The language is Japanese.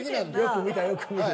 よく見たよく見る。